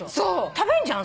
食べんじゃん？